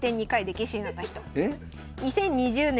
２０２０年？